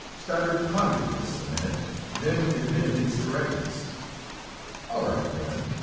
Stoddard pondered this a minute, then admitted its correctness. "All right, then.